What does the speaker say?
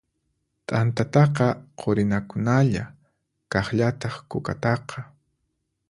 T'antataqa qurinakunalla, kaqllataq kukataqa.